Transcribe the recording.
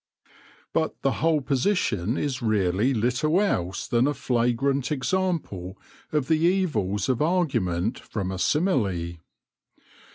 But the whole position is really little else than a flagrant example of the evils of argument from a simile.